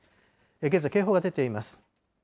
現在、警報が出ています。